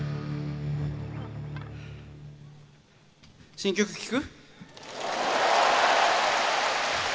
新曲聴く？